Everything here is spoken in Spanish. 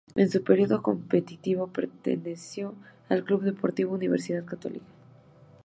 En su periodo competitivo, perteneció al Club Deportivo Universidad Católica.